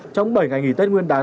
trong bảy ngày nghỉ tết nguyên đán